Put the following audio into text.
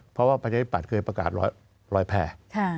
เพราะว่าประชาธิปัตย์เคยประกาศรอยแพร่